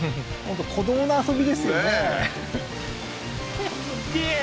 本当子どもの遊びですよねねえ